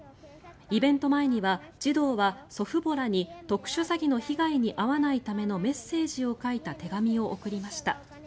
イベント前には児童は祖父母らに特殊詐欺の被害に遭わないためのメッセージを書いた手紙を送りました。